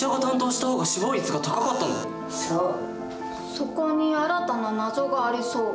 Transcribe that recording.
そこに新たな謎がありそう。